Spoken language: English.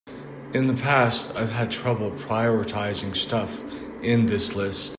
In the past I've had trouble prioritizing stuff in this list.